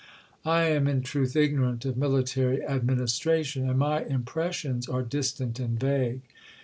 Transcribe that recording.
I am in truth ignorant of military administration: and my impressions are distant and vague.